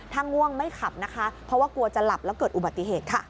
ถ้าง่วงไม่ขับนะคะเพราะว่ากลัวจะหลับแล้วเกิดอุบัติเหตุค่ะ